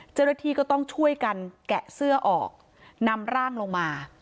เจ้าหน้าที่ก็ต้องช่วยกันแกะเสื้อออกนำร่างลงมา